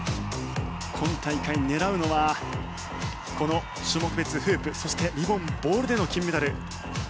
今大会、狙うのはこの種目別フープそして、リボン・ボールでの金メダル。